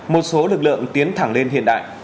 một số lực lượng tiến thẳng lên hiện đại